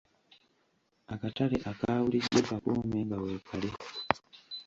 Akatale aka bulijjo kakuume nga weekali.